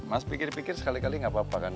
mas pikir pikir sekali kali gak apa apa kan